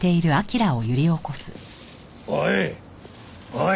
おい！